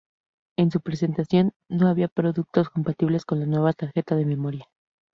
En su presentación no había productos compatibles con la nueva tarjeta de memoria.